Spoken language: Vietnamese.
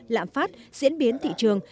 lãm phát diễn biến thị trường